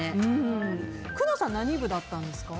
工藤さん、何部だったんですか？